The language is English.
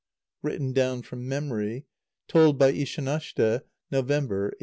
(Written down from memory. Told by Ishanashte, November, 1886.)